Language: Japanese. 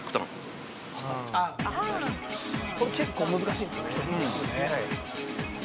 「これ結構難しいんですよね」